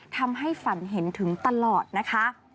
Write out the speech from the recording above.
ทำให้ฝันเห็นถึงตลอดนะคะ